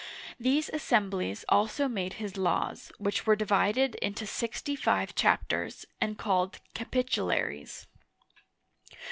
These assemblies also made his laws, which were divided into sixty five chapters, and called "Cap' itularies.'